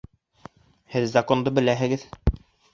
— Һеҙ Законды беләһегеҙ!